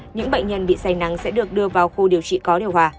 những bệnh nhân bị say nắng sẽ được đưa vào khu điều trị có điều hòa